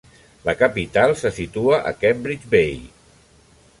La capital se situa a Cambridge Bay.